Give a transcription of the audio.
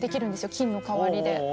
金の代わりで。